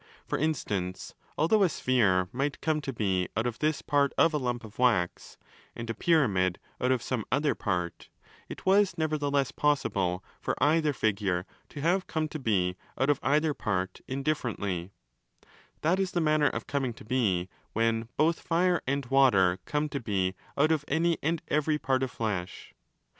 For instance, although a sphere might come to be out of zis part of a lump of wax and a pyramid out of some other part, it was nevertheless possible for either figure to have come to be out of either part indifferently: chat is the manner of 35 coming to be when 'both Fire and Water come to be out of any and every part of flesh'.